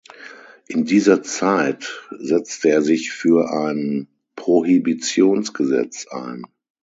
In dieser Zeit setzte er sich für ein Prohibitionsgesetz ein.